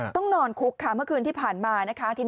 ต้องนอนคุกเมื่อคืนที่ผ่านมา